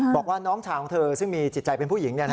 บอกว่าน้องชายของเธอซึ่งมีจิตใจเป็นผู้หญิง